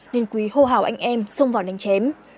nên quý hô hào anh em xông vào đánh chém